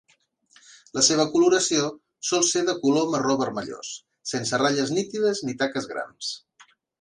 La seva coloració sol ser de color marró vermellós, sense ratlles nítides ni taques grans.